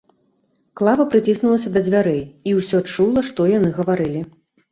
Клава прыціснулася да дзвярэй і ўсё чула, што яны гаварылі.